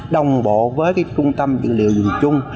đồng bộ với cái trung tâm dự liệu dùng chung